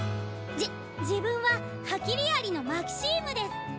じ自分はハキリアリのマキシームです。